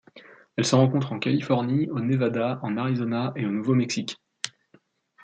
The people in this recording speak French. Elle se rencontre en Californie, au Nevada, en Arizona et au Nouveau-Mexique.